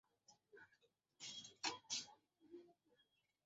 কখন কক্সবাজারের Marine Drive সড়কের হিমছড়ি পাহাড়ে এই ঘটনা ঘটে?